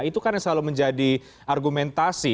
itu kan yang selalu menjadi argumentasi